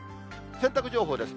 洗濯情報です。